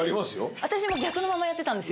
私も逆のままやってたんですよ